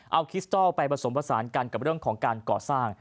เอาคิสตอลไปผสมผสานกันกับเรื่องของการก่อสร้าง